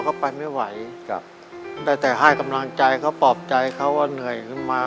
เขาไปไม่ไหวครับได้แต่ให้กำลังใจเขาปลอบใจเขาว่าเหนื่อยขึ้นมา